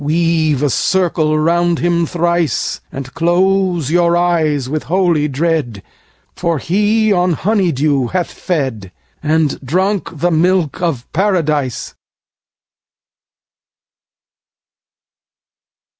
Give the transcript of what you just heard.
Weave a circle round him thrice, And close your eyes with holy dread, For he on honey dew hath fed, And drunk the milk of Paradise.